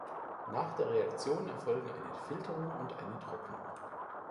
Nach der Reaktion erfolgen eine Filterung und eine Trocknung.